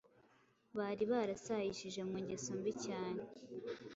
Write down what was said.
bari barasayishije mu ngeso mbi cyane